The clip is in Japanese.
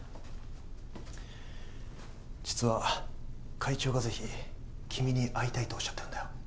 実は会長がぜひ君に会いたいとおっしゃってるんだよ。